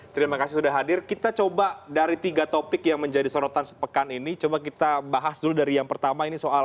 terima kasih sudah hadir kita coba dari tiga topik yang menjadi sorotan sepekan ini coba kita bahas dulu dari yang pertama ini soal